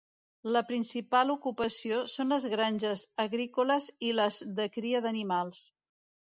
La principal ocupació són les granges agrícoles i les de cria d'animals.